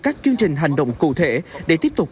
các chương trình hành động cụ thể để tiếp tục